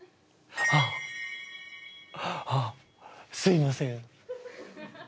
あっあすいません。